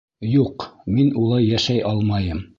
Юҡ, мин улай йәшәй алмайым...